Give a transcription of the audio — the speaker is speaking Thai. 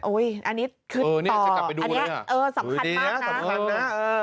อุ๊ยอันนี้คือต่ออันนี้สำคัญมากนะ